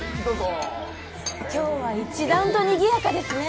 今日は一段とにぎやかですね。